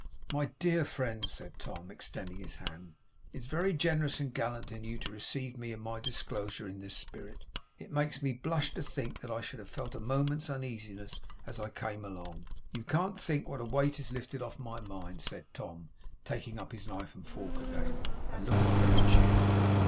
'My dear friend,' said Tom, extending his hand, 'it is very generous and gallant in you to receive me and my disclosure in this spirit; it makes me blush to think that I should have felt a moment's uneasiness as I came along. You can't think what a weight is lifted off my mind,' said Tom, taking up his knife and fork again, and looking very cheerful.